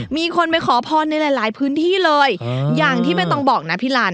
มีคนไปขอพรในหลายพื้นที่เลยอย่างที่ใบตองบอกนะพี่ลัน